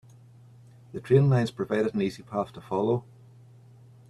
The train lines provided an easy path to follow.